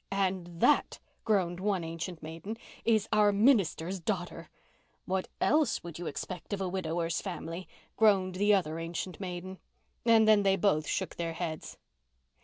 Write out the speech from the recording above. "And that," groaned one ancient maiden, "is our minister's daughter." "What else could you expect of a widower's family?" groaned the other ancient maiden. And then they both shook their heads.